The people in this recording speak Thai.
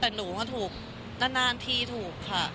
แต่หนูถูกนานทีถูกค่ะ